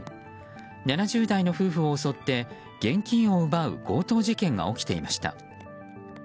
７０代の夫婦を襲って現金を奪う強盗事件が起きていました。